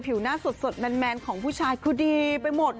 หน้าสดแมนของผู้ชายคือดีไปหมด